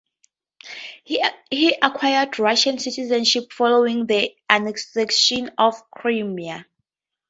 He acquired Russian citizenship following the annexation of Crimea.